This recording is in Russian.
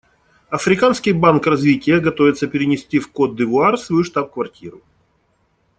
Африканский банк развития готовится перенести в Кот-д'Ивуар свою штаб-квартиру.